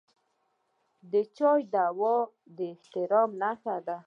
د چای دود د احترام نښه ده.